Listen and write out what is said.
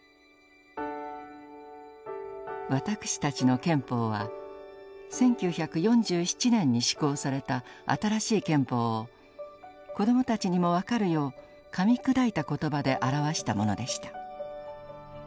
「わたくしたちの憲法」は１９４７年に施行された新しい憲法を子供たちにも分かるようかみ砕いた言葉で表したものでした。